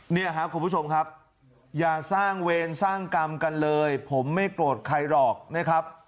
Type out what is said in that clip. เนี่ยครับคุณผู้ชมครับอย่าสร้างเวรสร้างกรรมกันเลยผมไม่โกรธใครหรอกนะครับ